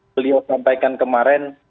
beliau sampaikan kemarin